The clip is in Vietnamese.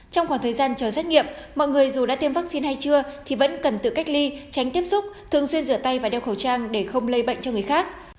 trong khoảng thời gian chờ xét nghiệm mọi người dù đã tiêm vaccine hay chưa thì vẫn cần tự cách ly tránh tiếp xúc thường xuyên rửa tay và đeo khẩu trang để không lây bệnh cho người khác